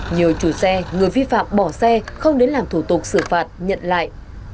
nhiều chủ xe người vi phạm bỏ xe không đến làm thủ tục xử phạt nhận lại